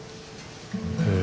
へえ。